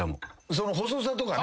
その細さとかね。